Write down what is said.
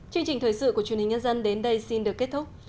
chương trình thời sự của truyền hình nhân dân đến đây xin được kết thúc